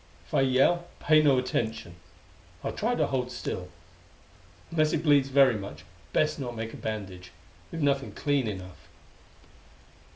If I yell, pay no attention; I'll try to hold still. Unless it bleeds very much, best not make a bandage; we've nothing clean enough."